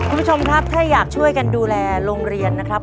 คุณผู้ชมครับถ้าอยากช่วยกันดูแลโรงเรียนนะครับ